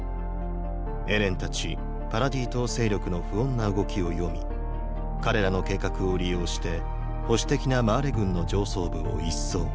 エレンたちパラディ島勢力の不穏な動きを読み彼らの計画を利用して保守的なマーレ軍の上層部を一掃